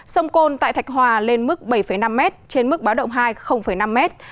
sông côn tại thạch hòa lên mức bảy năm mét trên mức báo động hai năm mét